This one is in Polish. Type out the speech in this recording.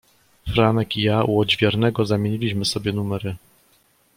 "Franek i ja u odźwiernego zamieniliśmy sobie numery“."